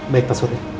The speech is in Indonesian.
baik pak surya